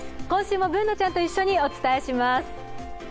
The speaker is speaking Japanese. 今週もＢｏｏｎａちゃんと一緒にお伝えします。